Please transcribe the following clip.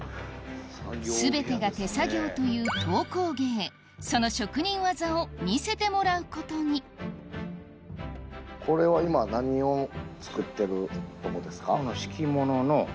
全てが手作業という籐工芸その職人技を見せてもらうことにこれは今何を作ってるとこですか？